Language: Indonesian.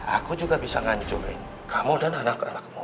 aku juga bisa ngancurin kamu dan anak anakmu